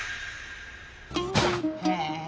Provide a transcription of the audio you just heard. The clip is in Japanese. へえ。